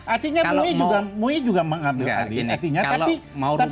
artinya mui juga mengambil alih